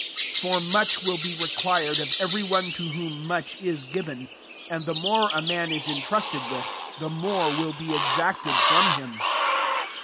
For much will be required of every one to whom much is given ; and the more a man it entrusted with, the more will be exacted from him.